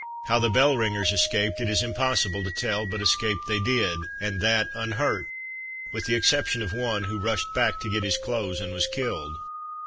How the bell ringers escaped, it is impossible to tell, but escape they did, and that unhurt, with the exception of one, who rushed back to get his clothes and was killed.